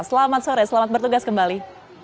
selamat sore selamat bertugas kembali